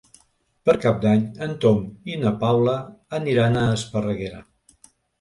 Per Cap d'Any en Tom i na Paula aniran a Esparreguera.